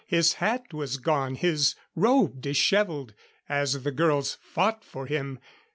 His hat was gone, his robe disheveled, as the girls fought for him.